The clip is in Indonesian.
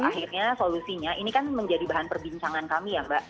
akhirnya solusinya ini kan menjadi bahan perbincangan kami ya mbak